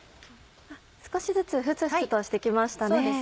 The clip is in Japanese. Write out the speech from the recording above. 少しずつ沸々として来ましたね。